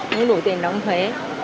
không có đủ tiền đóng thuế